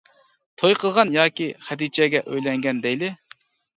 توي قىلغان ياكى خەدىچەگە ئۆيلەنگەن دەيلى.